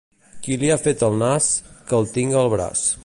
Qui li ha fet el nas, que el tinga al braç.